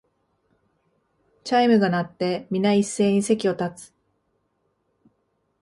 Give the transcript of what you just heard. チャイムが鳴って、みな一斉に席を立つ